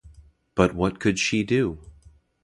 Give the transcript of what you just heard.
But what could she do?